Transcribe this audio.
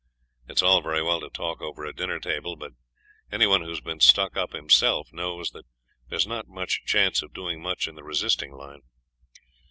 It's all very well to talk over a dinner table, but any one who's been stuck up himself knows that there's not much chance of doing much in the resisting line.